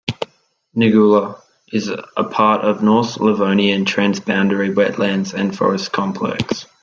Nigula is a part of North-Livonian transboundary wetlands and forests complex.